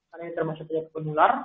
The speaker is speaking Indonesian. karena ini termasuk penular